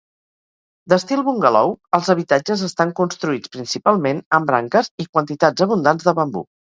D'estil bungalou, els habitatges estan construïts principalment amb branques i quantitats abundants de bambú.